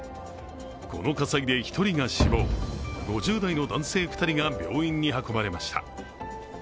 この火災で１人が死亡、５０代の男性２人が病院に運ばれました。